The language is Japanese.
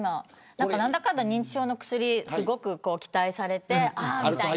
何だかんだ認知症の薬がすごく期待されて。